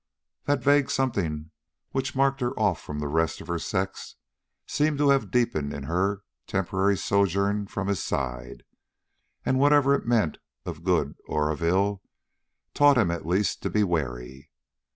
That vague something which marked her off from the rest of her sex, seemed to have deepened in her temporary sojourn from his side, and whatever it meant of good or of ill, it taught him at least to be wary.